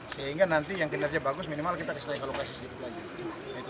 sehingga nanti yang kinerja bagus minimal kita kasih lagi lokasi sedikit lagi